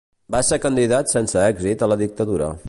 Va ser candidat sense èxit a la dictadura.